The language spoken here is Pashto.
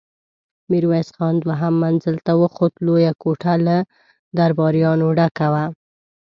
ميرويس خان دوهم منزل ته وخوت، لويه کوټه له درباريانو ډکه وه.